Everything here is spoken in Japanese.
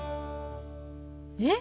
えっ！